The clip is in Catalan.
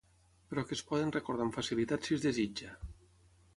però que es poden recordar amb facilitat si es desitja